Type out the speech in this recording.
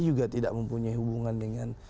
juga tidak mempunyai hubungan dengan